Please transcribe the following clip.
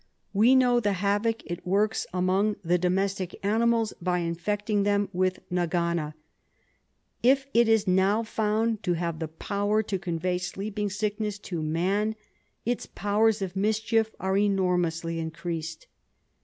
We SLEEPING SICKNESS 45 know the havoc it works among the domestic animals by infecting them with nagana; if it is now found to have the power to convey sleeping sickness to man its powers of mischief are enormously increased.